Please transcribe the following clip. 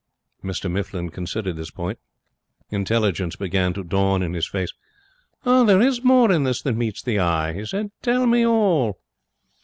"' Mr Mifflin considered this point. Intelligence began to dawn in his face. 'There is more in this than meets the eye,' he said. 'Tell me all.'